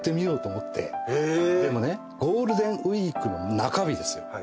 でもねゴールデンウイークの中日ですよ。